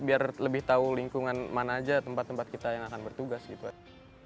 biar lebih tahu lingkungan mana aja tempat tempat kita yang akan bertugas gitu aja